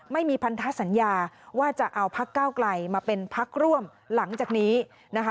ไม่มีพันธสัญญาว่าจะเอาพักเก้าไกลมาเป็นพักร่วมหลังจากนี้นะคะ